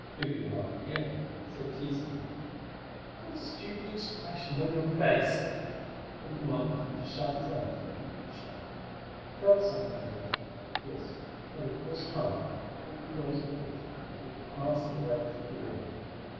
Vivian laughed again; said, teasingly, "What a stupid expression on your face!" then commanded him to shut his eyes, and keep them shut. He felt something being attached to his wrists; heard a coarse hum that quickly rose in pitch until it passed the range of hearing.